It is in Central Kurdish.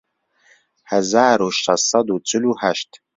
هەزار و شەش سەد و چل و هەشت